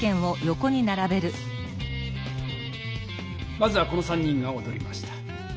まずはこの３人がおどりました。